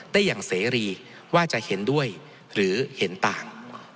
ได้อย่างเสรีว่าจะเห็นด้วยหรือเห็นต่าง